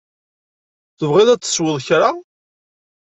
Tebɣiḍ ad tesweḍ kra?